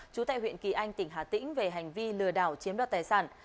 trú tại huyện kỳ anh tỉnh hà tĩnh về hành vi lừa đảo chiếm đoạt tài sản